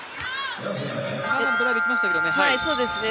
ドライブ行きましたけどね。